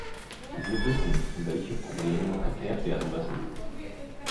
Wir wissen, welche Probleme noch geklärt werden müssen.